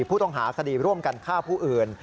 ผู้ต้องหาคดีร่วมกันฆ่าผู้อื่น